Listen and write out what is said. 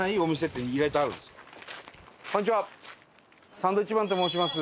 サンドウィッチマンと申します。